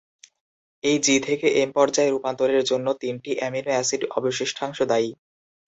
এই জি থেকে এম পর্যায়ে রূপান্তরের জন্য তিনটি অ্যামিনো অ্যাসিড অবশিষ্টাংশ দায়ী।